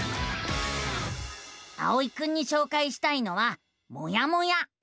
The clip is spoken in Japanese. あおいくんにしょうかいしたいのは「もやモ屋」。